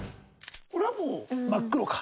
これはもう真っ黒か。